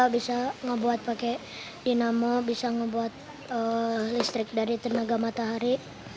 bisa ngebuat pakai dinamo bisa ngebuat listrik dari tenaga matahari